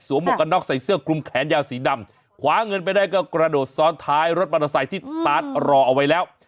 หมวกกันน็อกใส่เสื้อคลุมแขนยาวสีดำคว้าเงินไปได้ก็กระโดดซ้อนท้ายรถมอเตอร์ไซค์ที่สตาร์ทรอเอาไว้แล้ว